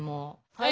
はい！